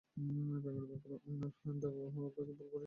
প্রেমের ব্যাপারে অন্যের দেওয়া তথ্য আপনাকে ভুল পথে পরিচালিত করতে পারে।